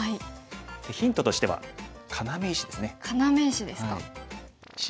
ヒントとしては要石ですね。